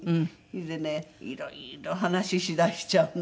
それでねいろいろ話しだしちゃうの。